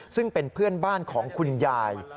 ซึ่งเป็นเพื่อนบ้านของคุณยาย